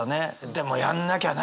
でもやんなきゃなって。